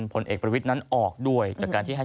ผลเอกประวิทย์นั้นออกด้วยจากการที่ให้